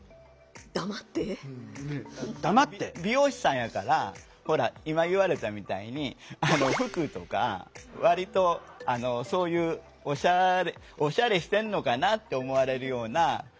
美容師さんやからほら今言われたみたいに服とか割とそういうオシャレしてんのかなって思われるような服。